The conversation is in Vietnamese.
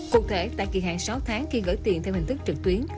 cụ thể tại kỳ hạn sáu tháng khi gửi tiền theo hình thức trực tuyến